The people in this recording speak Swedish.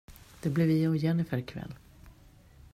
Det blir vi och Jennifer ikväll!